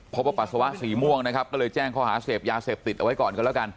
ปัสสาวะสีม่วงนะครับก็เลยแจ้งข้อหาเสพยาเสพติดเอาไว้ก่อนกันแล้วกัน